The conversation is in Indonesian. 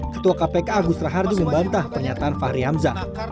ketua kpk agus rahardi membantah pernyataan fahri hamzah